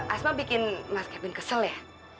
asma bikin mas kevin kesel ya